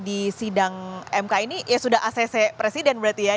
di sidang mk ini ya sudah acc presiden berarti ya